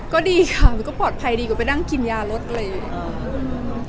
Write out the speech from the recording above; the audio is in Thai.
ก็ดีค่ะมันก็ปลอดภัยดีกว่าไปด้านกินยารถอะไรอยู่